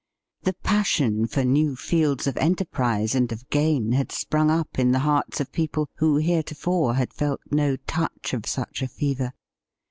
The passion for new fields of enterprise and of gain had sprung up in the hearts of peoples who heretofore had felt no touch of such a fever.